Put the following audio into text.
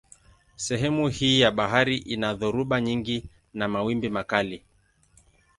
Sehemu hii ya bahari ina dhoruba nyingi na mawimbi makali.